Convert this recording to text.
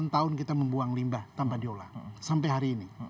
delapan tahun kita membuang limbah tanpa diolah sampai hari ini